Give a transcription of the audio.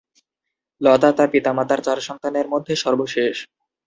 লতা তার পিতা-মাতার চার সন্তানের মধ্যে সর্বশেষ।